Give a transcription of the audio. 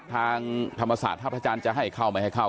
ทางธรรมศาสตร์ท่าพระจันทร์จะให้เข้าไม่ให้เข้า